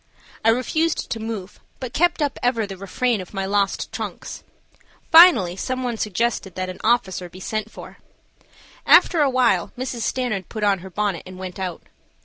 I refused to move, but kept up ever the refrain of my lost trunks. Finally some one suggested that an officer be sent for. After awhile Mrs. Stanard put on her bonnet and went out.